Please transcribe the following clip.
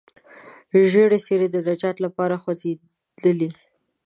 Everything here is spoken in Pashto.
ژېړې څېرې د نجات لپاره خوځېدلې.